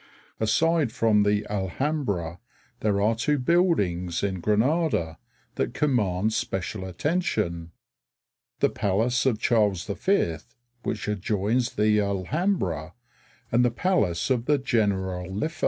_] Aside from the Alhambra there are two buildings in Granada that command special attention, the Palace of Charles V, which adjoins the Alhambra, and the Palace of the Generalife.